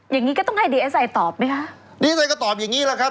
อย่างนี้ก็ต้องให้ดีเอสไอตอบไหมคะดีเอนก็ตอบอย่างงี้แหละครับ